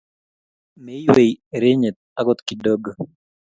Maiywei erenyet agot kidogo